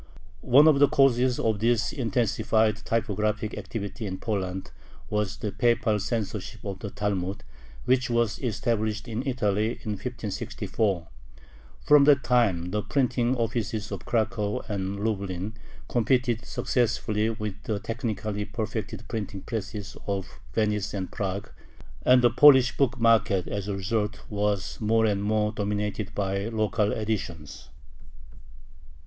One of the causes of this intensified typographic activity in Poland was the papal censorship of the Talmud, which was established in Italy in 1564. From that time the printing offices of Cracow and Lublin competed successfully with the technically perfected printing presses of Venice and Prague, and the Polish book market, as a result, was more and more dominated by local editions.